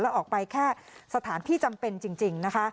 แล้วออกไปแค่สถานที่จำเป็นจริงนะคะ